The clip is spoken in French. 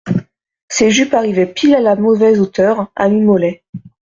Ses jupes arrivaient pile à la mauvaise hauteur, à mi-mollet